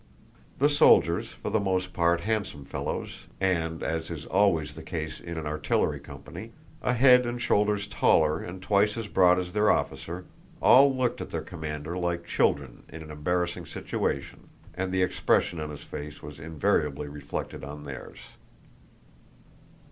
The soldiers, for the most part handsome fellows and, as is always the case in an artillery company, a head and shoulders taller and twice as broad as their officer—all looked at their commander like children in an embarrassing situation, and the expression on his face was invariably reflected on theirs.